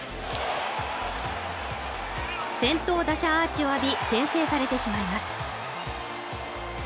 先頭打者アーチを浴び先制されてしまいます